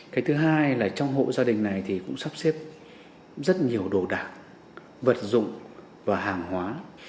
cái thứ hai là trong hộ gia đình này thì cũng sắp xếp rất nhiều đồ đạc vật dụng và hàng hóa